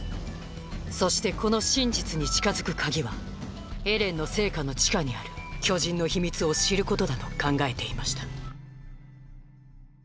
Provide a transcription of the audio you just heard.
そしてこの真実に近づく鍵はエレンの生家の地下にある巨人の秘密を知ることだと考えていました